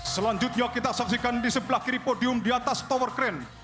selanjutnya kita saksikan di sebelah kiri podium di atas tower crane